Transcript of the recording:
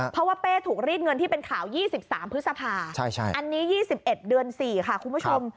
เพราะว่าเป้ถูกรีดเงินที่เป็นข่าว๒๓พฤษภาอันนี้๒๑เดือน๔ค่ะคุณผู้ชม